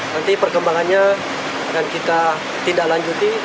nanti perkembangannya akan kita tindak lanjuti